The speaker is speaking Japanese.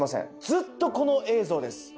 ずっとこの映像です。